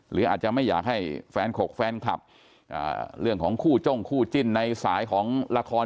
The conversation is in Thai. หรืออาจจะไม่อยากให้แฟนขกแฟนคลับเรื่องของคู่จ้งคู่จิ้นในสายของละคร